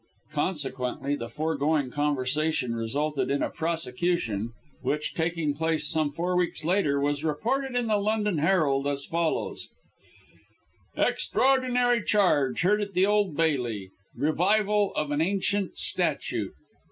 Consequently, the foregoing conversation resulted in a prosecution which, taking place some four weeks later, was reported in the London Herald as follows EXTRAORDINARY CHARGE HEARD AT THE OLD BAILEY. REVIVAL OF AN ANCIENT STATUTE.